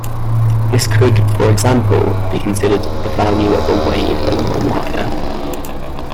This could, for example, be considered the value of a wave along a wire.